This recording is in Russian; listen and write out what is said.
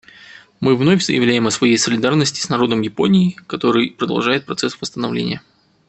Мы вновь заявляем о своей солидарности с народом Японии, который продолжает процесс восстановления.